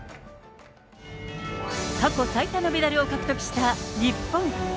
過去最多のメダルを獲得した日本。